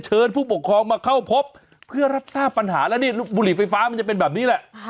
ผู้ปกครองมาเข้าพบเพื่อรับทราบปัญหาแล้วนี่บุหรี่ไฟฟ้ามันจะเป็นแบบนี้แหละ